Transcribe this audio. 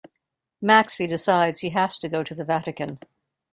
Maxi decides he has to go to the Vatican.